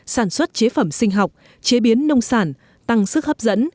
sản xuất chế phẩm sinh học chế biến nông sản tăng sức hấp dẫn